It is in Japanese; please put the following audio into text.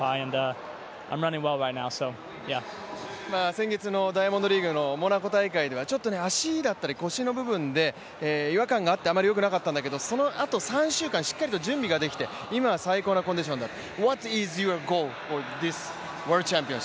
先月のダイヤモンドリーグのモナコ大会ではちょっとね、足だったり腰の部分で違和感があってあまりよくなかったんだけどあまりよくなかったんだけど、そのあと３週間きっちりと準備ができて、今は最高なコンディションだと。